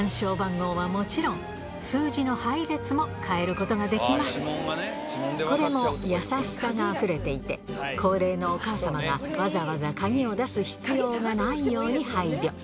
こちらはこれも優しさがあふれていて高齢のおかあ様がわざわざ鍵を出す必要がないように配慮